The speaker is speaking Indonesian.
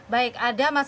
baik ada masalah